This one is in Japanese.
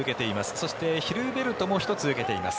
そしてヒルベルトも１つ受けています。